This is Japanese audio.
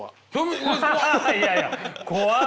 いやいや怖っ！